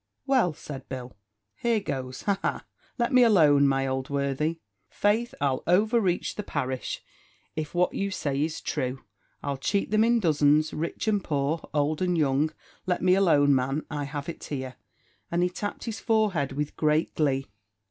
"Well," said Bill, "here goes, aha! let me alone, my old worthy! faith I'll overreach the parish, if what you say is true. I'll cheat them in dozens, rich and poor, old and young: let me alone, man, I have it here;" and he tapped his forehead with great glee.